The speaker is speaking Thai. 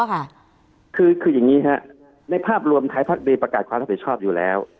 คืออย่างนี้ครับในภาพรวมไทยพักดีประกาศความรับผิดชอบอยู่แล้ว